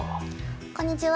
こんにちは。